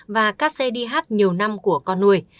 và các cdh nhiều năm của con nuôi